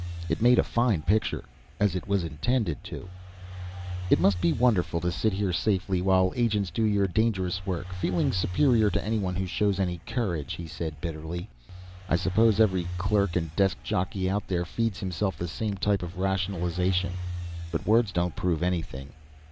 It made a fine picture as it was intended to. "It must be wonderful to sit here safely, while agents do your dangerous work, feeling superior to anyone who shows any courage," he said bitterly. "I suppose every clerk and desk jockey out there feeds himself the same type of rationalization. But words don't prove anything.